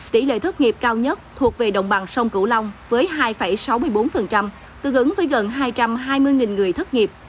tỷ lệ thất nghiệp cao nhất thuộc về đồng bằng sông cửu long với hai sáu mươi bốn tương ứng với gần hai trăm hai mươi người thất nghiệp